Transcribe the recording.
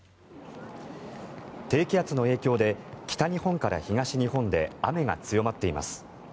低気圧の影響で北日本から東日本で雨が強まっています。